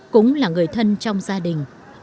cũng là người thân trong gia đình